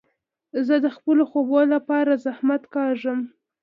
زه د خپلو خوبو له پاره زحمت کاږم.